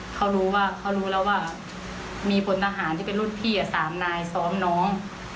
เขารู้ว่าเขารู้แล้วว่ามีพลทหารที่เป็นรุ่นพี่๓นายซ้อมน้อง